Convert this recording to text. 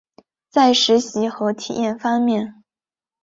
在实习和体验方面